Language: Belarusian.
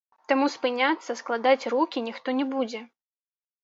Таму спыняцца, складаць рукі ніхто не будзе.